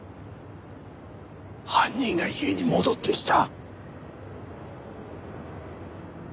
犯人が家に戻ってきた。